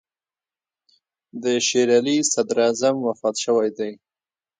د شېر علي صدراعظم وفات شوی دی.